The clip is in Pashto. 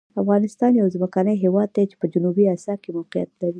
افغانستان یو ځمکني هېواد دی چې په جنوبي آسیا کې موقعیت لري.